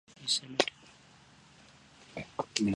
weka unga wa ngano na hamira kwa pamoja kisha kanda